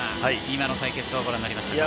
今の対決どうご覧になりましたか。